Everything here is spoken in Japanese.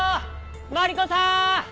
マリコさん！